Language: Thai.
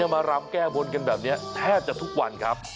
มารำแก้บนกันแบบนี้แทบจะทุกวันครับ